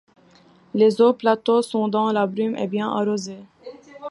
Les hauts plateaux sont dans la brume et bien arrosés.